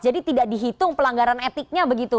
jadi tidak dihitung pelanggaran etiknya begitu